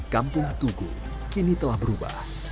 kampung tugu kini telah berubah